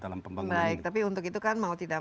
dalam pembangunan baik tapi untuk itu kan mau tidak